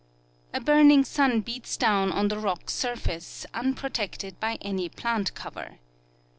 A burning sun beats down on the rock surface, unprotected by any plant cover.